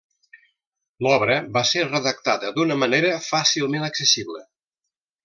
L'obra va ser redactada d'una manera fàcilment accessible.